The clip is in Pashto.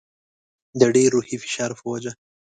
د ډېر روحي فشار په وجه.